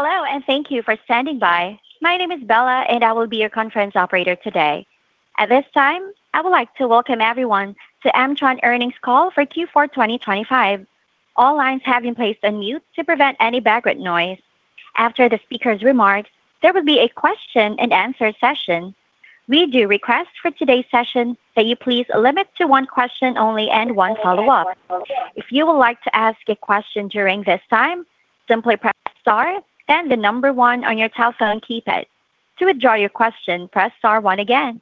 Hello, and thank you for standing by. My name is Bella, and I will be your conference operator today. At this time, I would like to welcome everyone to M-tron Earnings Call for Q4 2025. All lines have been placed on mute to prevent any background noise. After the speaker's remarks, there will be a question and answer session. We do request for today's session that you please limit to one question only and one follow-up. If you would like to ask a question during this time, simply press star, then the number one on your telephone keypad. To withdraw your question, press star one again.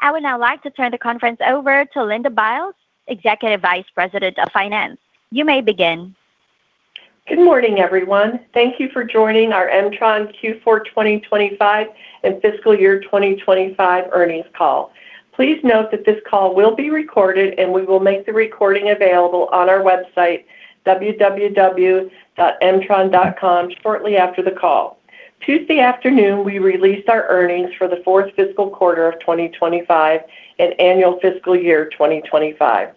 I would now like to turn the conference over to Linda Biles, Executive Vice President of Finance. You may begin. Good morning, everyone. Thank you for joining our M-tron Q4 2025 and fiscal year 2025 earnings call. Please note that this call will be recorded, and we will make the recording available on our website, www.mtron.com, shortly after the call. Tuesday afternoon, we released our earnings for the fourth fiscal quarter of 2025 and annual fiscal year 2025.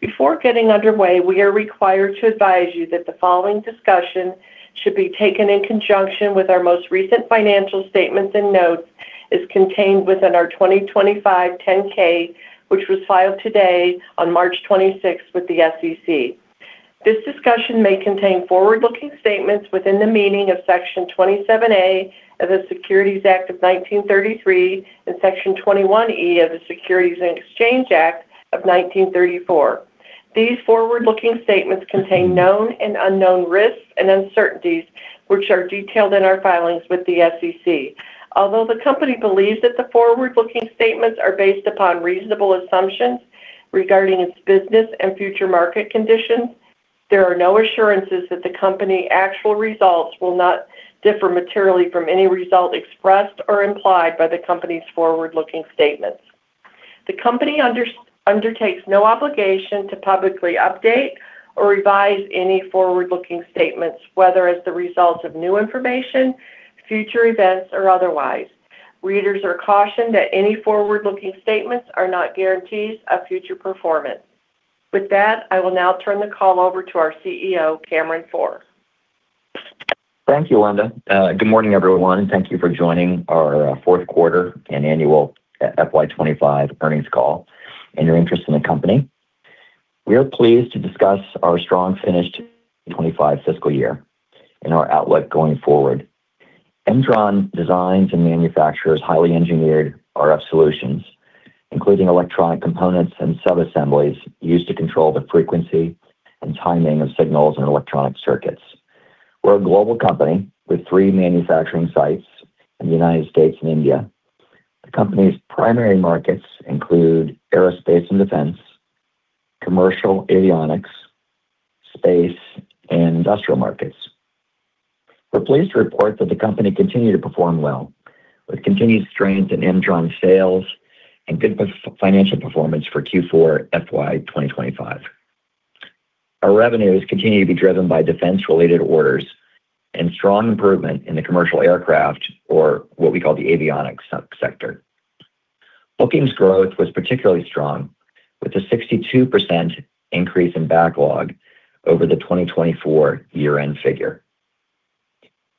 Before getting underway, we are required to advise you that the following discussion should be taken in conjunction with our most recent financial statements and notes as contained within our 2025 10-K, which was filed today on March 26 with the SEC. This discussion may contain forward-looking statements within the meaning of Section 27A of the Securities Act of 1933 and Section 21E of the Securities Exchange Act of 1934. These forward-looking statements contain known and unknown risks and uncertainties, which are detailed in our filings with the SEC. Although the company believes that the forward-looking statements are based upon reasonable assumptions regarding its business and future market conditions, there are no assurances that the company's actual results will not differ materially from any result expressed or implied by the company's forward-looking statements. The company undertakes no obligation to publicly update or revise any forward-looking statements, whether as the result of new information, future events, or otherwise. Readers are cautioned that any forward-looking statements are not guarantees of future performance. With that, I will now turn the call over to our CEO, Cameron Pforr. Thank you, Linda. Good morning, everyone, and thank you for joining our fourth quarter and annual FY 2025 earnings call and your interest in the company. We are pleased to discuss our strong finish to 2025 fiscal year and our outlook going forward. M-tron designs and manufactures highly engineered RF solutions, including electronic components and sub-assemblies used to control the frequency and timing of signals and electronic circuits. We're a global company with three manufacturing sites in the United States and India. The company's primary markets include aerospace and defense, commercial avionics, space, and industrial markets. We're pleased to report that the company continued to perform well with continued strength in M-tron sales and good financial performance for Q4 FY 2025. Our revenues continue to be driven by defense-related orders and strong improvement in the commercial aircraft or what we call the avionics sub-sector. Bookings growth was particularly strong with a 62% increase in backlog over the 2024 year-end figure.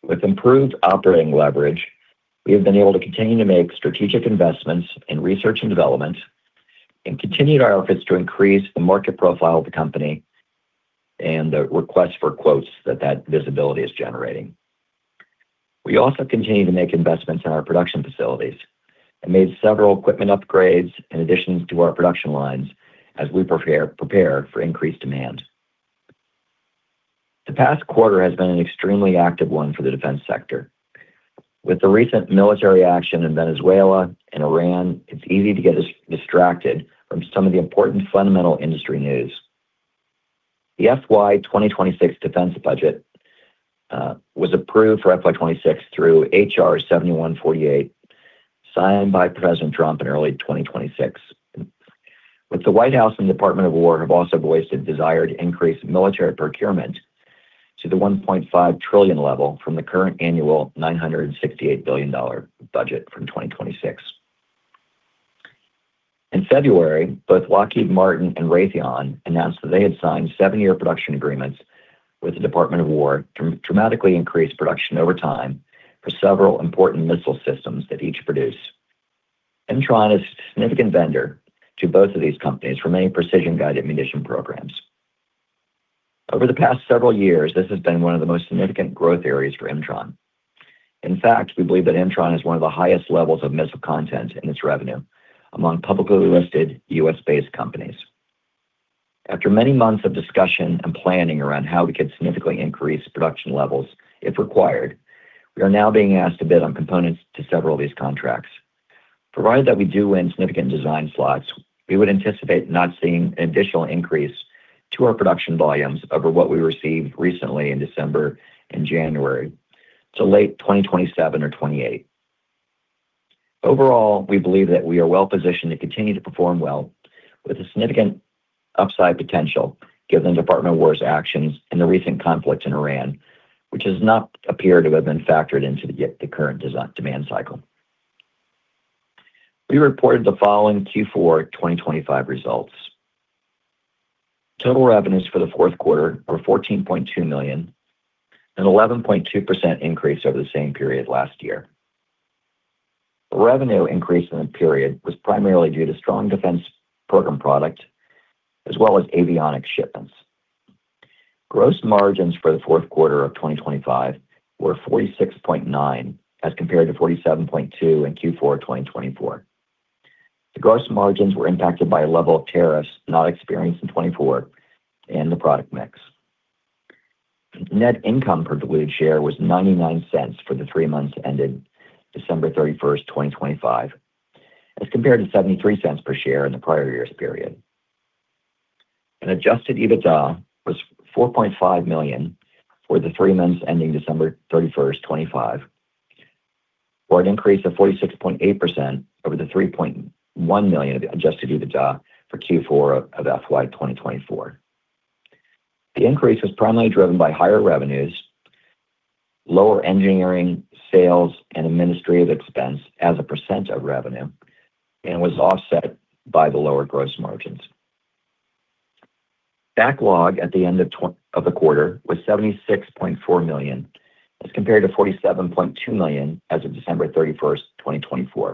With improved operating leverage, we have been able to continue to make strategic investments in research and development and continued our efforts to increase the market profile of the company and the request for quotes that visibility is generating. We also continue to make investments in our production facilities and made several equipment upgrades in addition to our production lines as we prepare for increased demand. The past quarter has been an extremely active one for the defense sector. With the recent military action in Venezuela and Iran, it's easy to get distracted from some of the important fundamental industry news. The FY 2026 defense budget was approved for FY 2026 through H.R. 7148, signed by President Trump in early 2026. With the White House and Department of War have also voiced a desired increase in military procurement to the $1.5 trillion level from the current annual $968 billion dollar budget from 2026. In February, both Lockheed Martin and Raytheon announced that they had signed seven-year production agreements with the Department of War to dramatically increase production over time for several important missile systems that each produce. M-tron is a significant vendor to both of these companies for many precision-guided munition programs. Over the past several years, this has been one of the most significant growth areas for M-tron. In fact, we believe that M-tron has one of the highest levels of missile content in its revenue among publicly listed U.S.-based companies. After many months of discussion and planning around how we could significantly increase production levels if required, we are now being asked to bid on components to several of these contracts. Provided that we do win significant design slots, we would anticipate not seeing an additional increase to our production volumes over what we received recently in December and January to late 2027 or 2028. Overall, we believe that we are well-positioned to continue to perform well with a significant upside potential given Department of War's actions and the recent conflict in Iran, which does not appear to have been factored into the current design-demand cycle. We reported the following Q4 2025 results. Total revenues for the fourth quarter were $14.2 million, an 11.2% increase over the same period last year. The revenue increase in the period was primarily due to strong defense program product as well as avionics shipments. Gross margins for the fourth quarter of 2025 were 46.9% as compared to 47.2% in Q4 2024. The gross margins were impacted by a level of tariffs not experienced in 2024 and the product mix. Net income per diluted share was $0.99 for the three months ended December 31, 2025, as compared to $0.73 per share in the prior year's period. An adjusted EBITDA was $4.5 million for the three months ending December 31, 2025, for an increase of 46.8% over the $3.1 million adjusted EBITDA for Q4 of FY 2024. The increase was primarily driven by higher revenues, lower engineering, sales, and administrative expense as a percent of revenue, and was offset by the lower gross margins. Backlog at the end of of the quarter was $76.4 million as compared to $47.2 million as of December 31, 2024.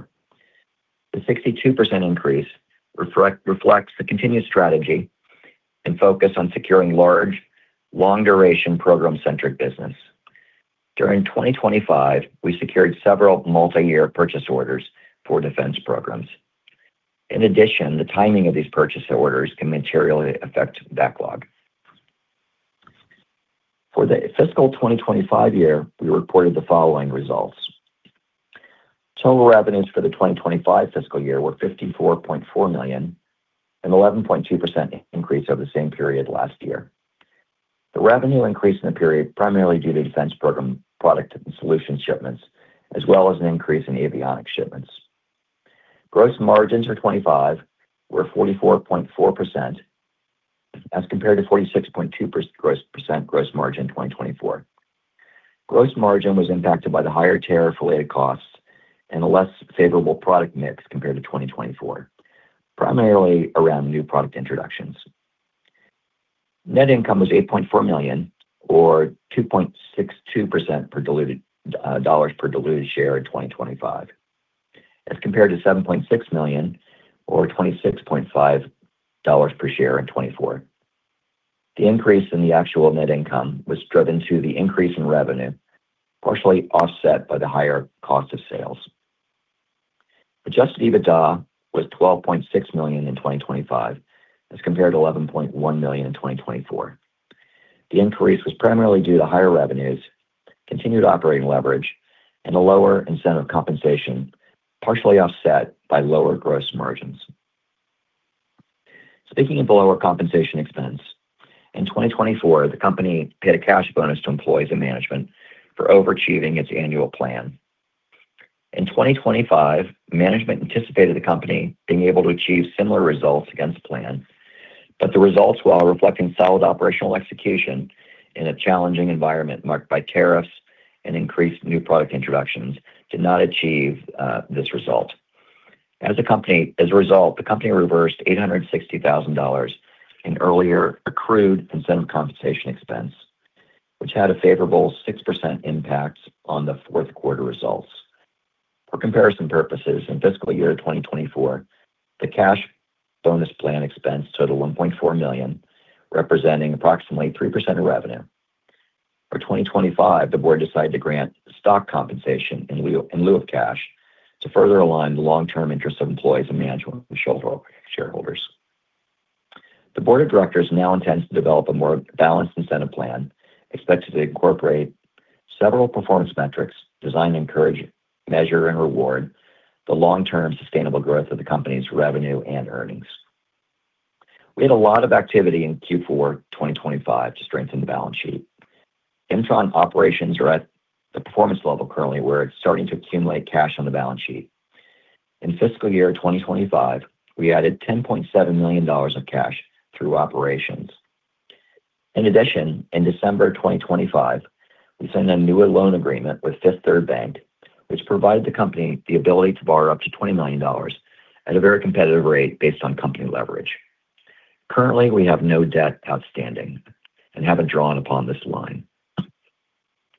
The 62% increase reflects the continued strategy and focus on securing large, long-duration, program-centric business. During 2025, we secured several multi-year purchase orders for defense programs. In addition, the timing of these purchase orders can materially affect backlog. For the fiscal 2025 year, we reported the following results. Total revenues for the 2025 fiscal year were $54.4 million, an 11.2% increase over the same period last year. The revenue increase in the period was primarily due to defense program product and solution shipments, as well as an increase in avionics shipments. Gross margins for 2025 were 44.4% as compared to 46.2% gross margin in 2024. Gross margin was impacted by the higher tariff-related costs and a less favorable product mix compared to 2024, primarily around new product introductions. Net income was $8.4 million or $2.62 dollars per diluted share in 2025 as compared to $7.6 million or $26.5 dollars per share in 2024. The increase in the actual net income was driven through the increase in revenue, partially offset by the higher cost of sales. Adjusted EBITDA was $12.6 million in 2025 as compared to $11.1 million in 2024. The increase was primarily due to higher revenues, continued operating leverage, and a lower incentive compensation, partially offset by lower gross margins. Speaking of the lower compensation expense, in 2024, the company paid a cash bonus to employees and management for overachieving its annual plan. In 2025, management anticipated the company being able to achieve similar results against plan, but the results, while reflecting solid operational execution in a challenging environment marked by tariffs and increased new product introductions, did not achieve this result. As a result, the company reversed $860,000 in earlier accrued incentive compensation expense, which had a favorable 6% impact on the fourth quarter results. For comparison purposes, in fiscal year 2024, the cash bonus plan expense totaled $1.4 million, representing approximately 3% of revenue. For 2025, the board decided to grant stock compensation in lieu of cash to further align the long-term interests of employees and management with shareholders. The board of directors now intends to develop a more balanced incentive plan expected to incorporate several performance metrics designed to encourage, measure, and reward the long-term sustainable growth of the company's revenue and earnings. We had a lot of activity in Q4 2025 to strengthen the balance sheet. M-tron operations are at the performance level currently where it's starting to accumulate cash on the balance sheet. In fiscal year 2025, we added $10.7 million of cash through operations. In addition, in December of 2025, we signed a new loan agreement with Fifth Third Bank, which provided the company the ability to borrow up to $20 million at a very competitive rate based on company leverage. Currently, we have no debt outstanding and haven't drawn upon this line.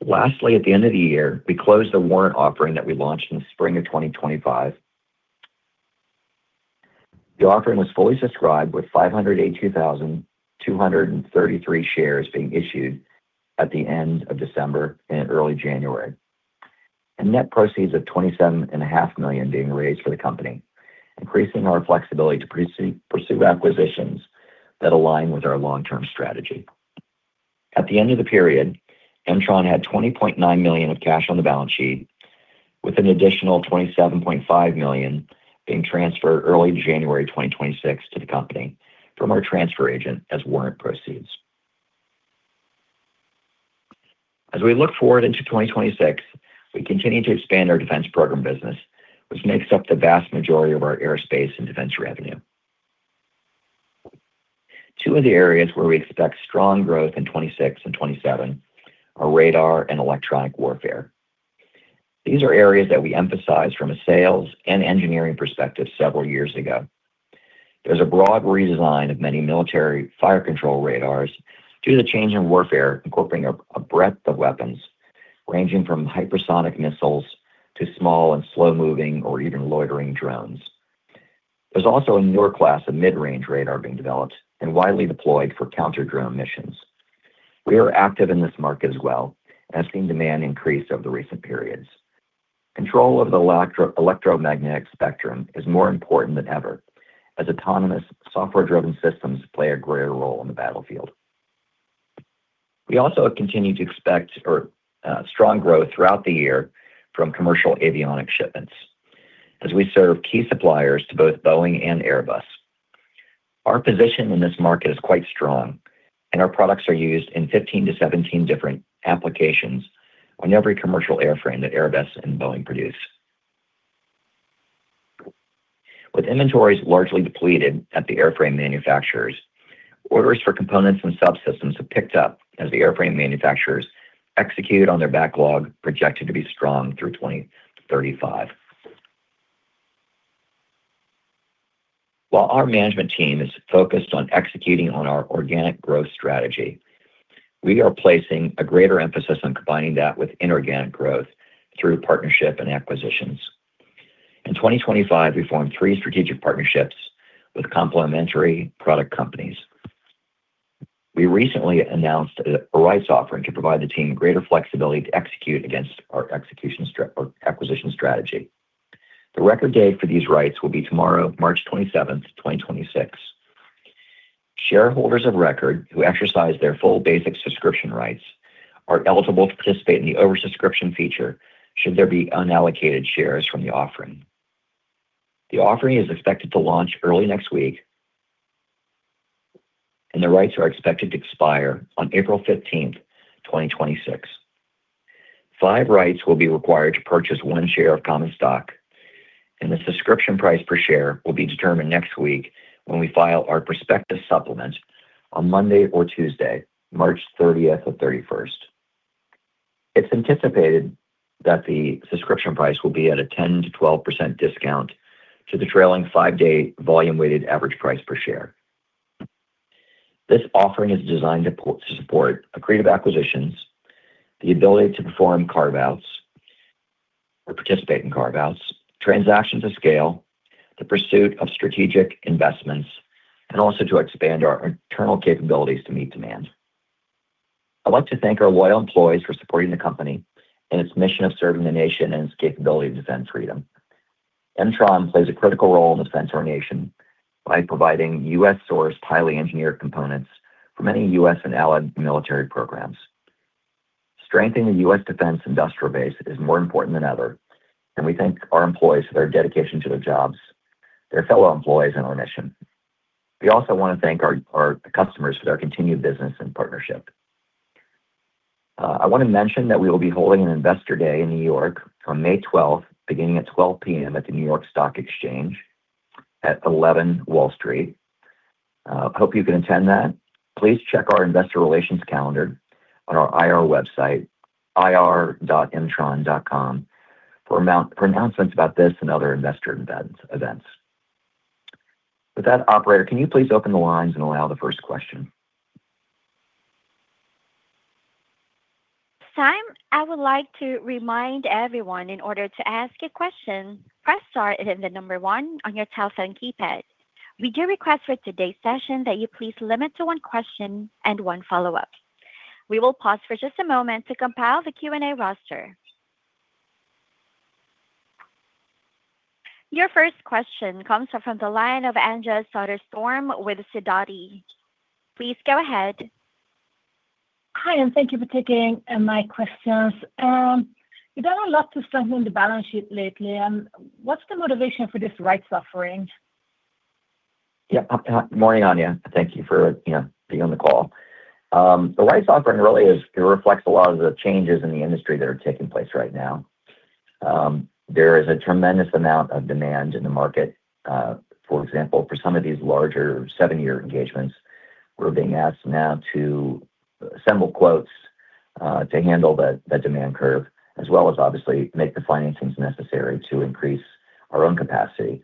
Lastly, at the end of the year, we closed a warrant offering that we launched in the spring of 2025. The offering was fully subscribed with 582,233 shares being issued at the end of December and early January. And net proceeds of $27.5 million being raised for the company, increasing our flexibility to pursue acquisitions that align with our long-term strategy. At the end of the period, M-tron had $20.9 million of cash on the balance sheet with an additional $27.5 million being transferred early January 2026 to the company from our transfer agent as warrant proceeds. As we look forward into 2026, we continue to expand our defense program business, which makes up the vast majority of our aerospace and defense revenue. Two of the areas where we expect strong growth in 2026 and 2027 are radar and electronic warfare. These are areas that we emphasize from a sales and engineering perspective several years ago. There's a broad redesign of many military fire control radars due to the change in warfare incorporating a breadth of weapons ranging from hypersonic missiles to small and slow-moving or even loitering drones. There's also a newer class of mid-range radar being developed and widely deployed for counter-drone missions. We are active in this market as well and have seen demand increase over the recent periods. Control of the electromagnetic spectrum is more important than ever as autonomous software-driven systems play a greater role in the battlefield. We also continue to expect strong growth throughout the year from commercial avionics shipments as we serve key suppliers to both Boeing and Airbus. Our position in this market is quite strong, and our products are used in 15-17 different applications on every commercial airframe that Airbus and Boeing produce. With inventories largely depleted at the airframe manufacturers, orders for components and subsystems have picked up as the airframe manufacturers execute on their backlog, projected to be strong through 2035. While our management team is focused on executing on our organic growth strategy, we are placing a greater emphasis on combining that with inorganic growth through partnership and acquisitions. In 2025, we formed three strategic partnerships with complementary product companies. We recently announced a rights offering to provide the team greater flexibility to execute against our acquisition strategy. The record day for these rights will be tomorrow, March 27, 2026. Shareholders of record who exercise their full basic subscription rights are eligible to participate in the oversubscription feature should there be unallocated shares from the offering. The offering is expected to launch early next week, and the rights are expected to expire on April 15, 2026. Five rights will be required to purchase one share of common stock, and the subscription price per share will be determined next week when we file our perspective supplement on Monday or Tuesday, March thirtieth or thirty-first. It's anticipated that the subscription price will be at a 10%-12% discount to the trailing five-day volume-weighted average price per share. This offering is designed to support accretive acquisitions, the ability to perform carve-outs or participate in carve-outs, transactions of scale, the pursuit of strategic investments, and also to expand our internal capabilities to meet demand. I'd like to thank our loyal employees for supporting the company and its mission of serving the nation and its capability to defend freedom. M-tron plays a critical role in defending our nation by providing U.S.-sourced, highly engineered components for many U.S. and allied military programs. Strengthening the U.S. defense industrial base is more important than ever, and we thank our employees for their dedication to their jobs, their fellow employees, and our mission. We also wanna thank our customers for their continued business and partnership. I wanna mention that we will be holding an investor day in New York on May 12, beginning at 12:00 P.M. at the New York Stock Exchange at 11 Wall Street. Hope you can attend that. Please check our investor relations calendar on our IR website, ir.mtron.com, for announcements about this and other investor events. With that, operator, can you please open the lines and allow the first question? At this time, I would like to remind everyone in order to ask a question, press star and then the number one on your telephone keypad. We do request for today's session that you please limit to one question and one follow-up. We will pause for just a moment to compile the Q&A roster. Your first question comes from the line of Anja Soderstrom with Sidoti. Please go ahead. Hi, and thank you for taking my questions. You've done a lot to strengthen the balance sheet lately. What's the motivation for this rights offering? Yeah. Hi. Morning, Anja. Thank you for, you know, being on the call. The rights offering really is it reflects a lot of the changes in the industry that are taking place right now. There is a tremendous amount of demand in the market. For example, for some of these larger seven-year engagements, we're being asked now to assemble quotes to handle the demand curve as well as obviously make the financings necessary to increase our own capacity.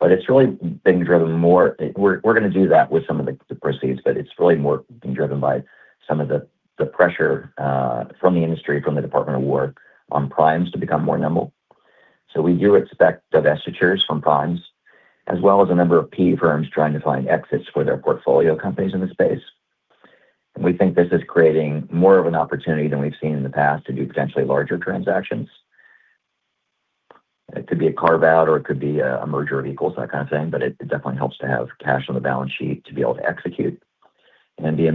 It's really being driven more. We're gonna do that with some of the proceeds, but it's really more being driven by some of the pressure from the industry, from the Department of War on primes to become more nimble. We do expect divestitures from primes as well as a number of PE firms trying to find exits for their portfolio companies in this space. We think this is creating more of an opportunity than we've seen in the past to do potentially larger transactions. It could be a carve-out, or it could be a merger of equals, that kind of thing, but it definitely helps to have cash on the balance sheet to be able to execute and be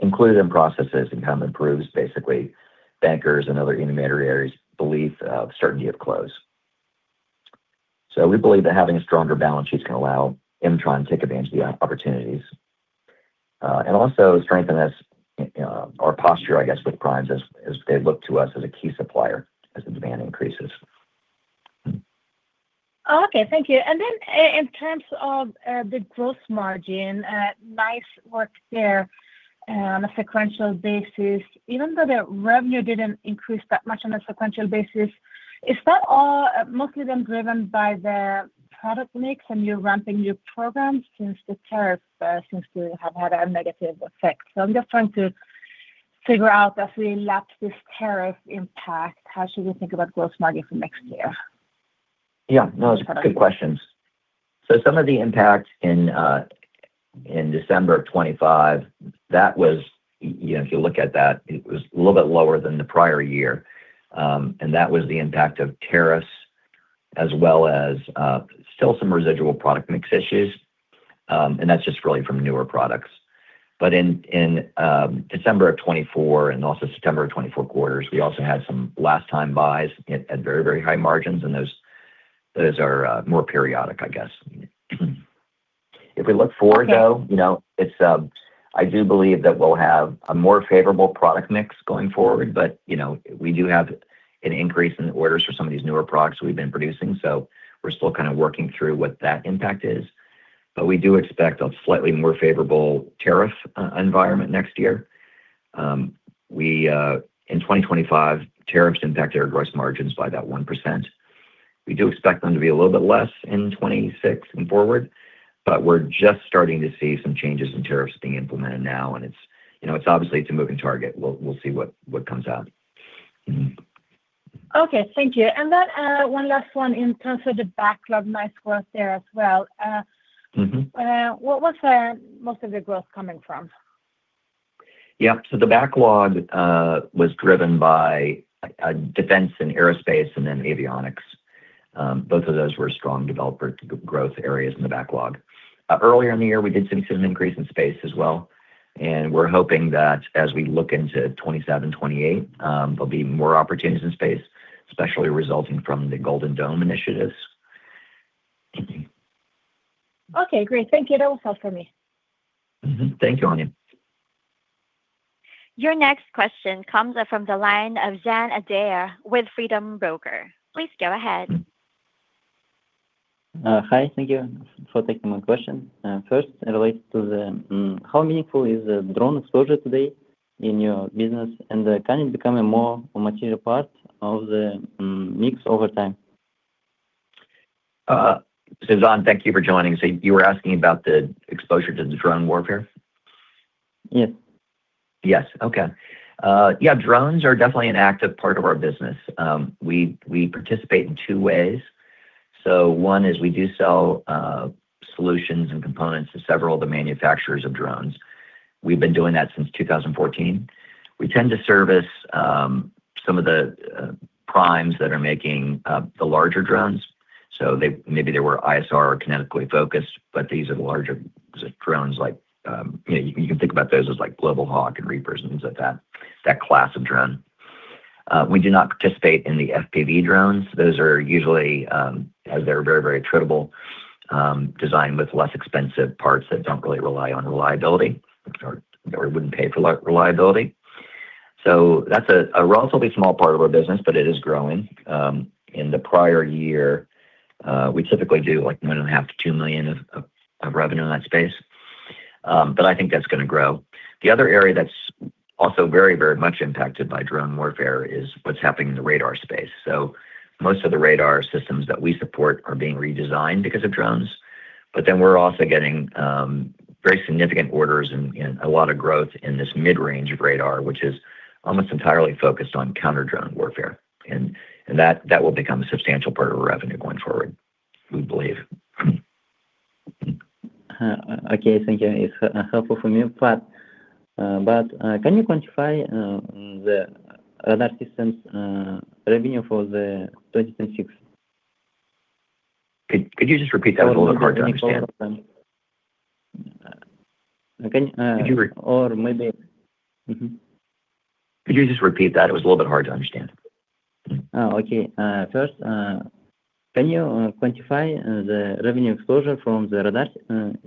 included in processes and kind of improves basically bankers' and other intermediaries' belief of certainty of close. We believe that having a stronger balance sheet is gonna allow M-tron to take advantage of the opportunities, and also strengthen our posture, I guess, with primes as they look to us as a key supplier as the demand increases. Okay, thank you. In terms of the gross margin, nice work there on a sequential basis. Even though the revenue didn't increase that much on a sequential basis, is that all mostly then driven by the product mix and you ramping new programs since the tariff seems to have had a negative effect? I'm just trying to figure out as we lap this tariff impact, how should we think about gross margin for next year? Yeah. No, those are good questions. Some of the impact in December of 2025, that was, you know, if you look at that, it was a little bit lower than the prior year. And that was the impact of tariffs as well as still some residual product mix issues. And that's just really from newer products. In December of 2024 and also September of 2024 quarters, we also had some last time buys at very high margins, and those are more periodic I guess. If we look forward though. Okay. You know, it's I do believe that we'll have a more favorable product mix going forward, but you know, we do have an increase in the orders for some of these newer products we've been producing, so we're still kind of working through what that impact is. We do expect a slightly more favorable tariff environment next year. We in 2025, tariffs impact our gross margins by that 1%. We do expect them to be a little bit less in 2026 and forward, but we're just starting to see some changes in tariffs being implemented now, and it's you know, it's obviously a moving target. We'll see what comes out. Okay, thank you. One last one. In terms of the backlog, nice growth there as well. Mm-hmm. What's most of your growth coming from? Yeah. The backlog was driven by defense and aerospace and then avionics. Both of those were strong growth areas in the backlog. Earlier in the year we did see an increase in space as well, and we're hoping that as we look into 2027, 2028, there'll be more opportunities in space, especially resulting from the Golden Dome initiatives. Okay, great. Thank you. That was all for me. Thank you, Anja. Your next question comes from the line of Zan Adair with Freedom Broker. Please go ahead. Hi. Thank you for taking my question. First it relates to the, how meaningful is the drone exposure today in your business, and, can it become a more material part of the, mix over time? Zan, thank you for joining. You were asking about the exposure to the drone warfare? Yeah. Yes. Okay. Yeah, drones are definitely an active part of our business. We participate in two ways. One is we do sell solutions and components to several of the manufacturers of drones. We've been doing that since 2014. We tend to service some of the primes that are making the larger drones. They maybe were ISR or kinetically focused, but these are the larger drones like, you know, you can think about those as like Global Hawk and Reaper and things like that. It's that class of drone. We do not participate in the FPV drones. Those are usually, as they're very, very attritable, designed with less expensive parts that don't really rely on reliability or wouldn't pay for reliability. That's a relatively small part of our business, but it is growing. In the prior year, we typically do like $1.5-$2 million of revenue in that space. I think that's gonna grow. The other area that's also very, very much impacted by drone warfare is what's happening in the radar space. Most of the radar systems that we support are being redesigned because of drones, but then we're also getting very significant orders and a lot of growth in this mid-range radar, which is almost entirely focused on counter-drone warfare. That will become a substantial part of our revenue going forward, we believe. Okay. Thank you. It's helpful for me. Can you quantify the radar systems revenue for 2026? Could you just repeat that? It was a little bit hard to understand. Can, uh- Could you re- Or maybe... Mm-hmm. Could you just repeat that? It was a little bit hard to understand. Oh, okay. First, can you quantify the revenue exposure from the radar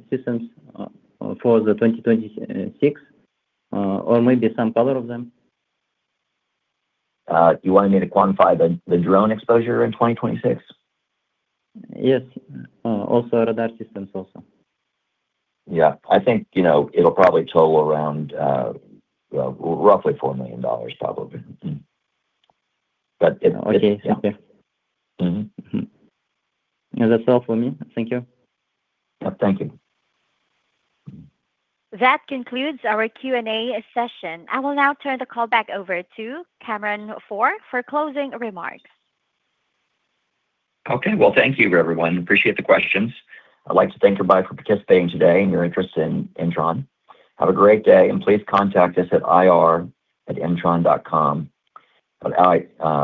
systems for 2026? Or maybe some color of them. You want me to quantify the drone exposure in 2026? Yes. Also radar systems also. Yeah. I think, you know, it'll probably total around roughly $4 million probably. Okay. Okay. Mm-hmm. That's all for me. Thank you. Yeah, thank you. That concludes our Q&A session. I will now turn the call back over to Cameron Pforr for closing remarks. Okay. Well, thank you everyone. Appreciate the questions. I'd like to thank everybody for participating today and your interest in M-tron. Have a great day, and please contact us at ir@mtron.com.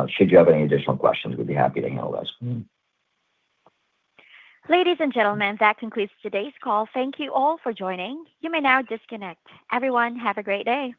Should you have any additional questions, we'd be happy to handle those. Ladies and gentlemen, that concludes today's call. Thank you all for joining. You may now disconnect. Everyone, have a great day.